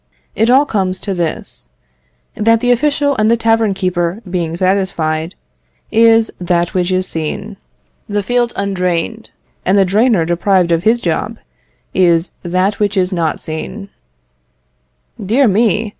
It all comes to this, that the official and the tavern keeper being satisfied, is that which is seen; the field undrained, and the drainer deprived of his job, is that which is not seen. Dear me!